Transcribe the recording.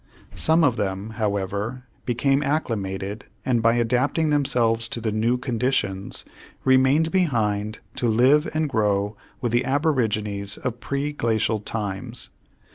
Some of them, however, became acclimated and by adapting themselves to the new conditions remained behind to live and grow with the aborigines of preglacial times.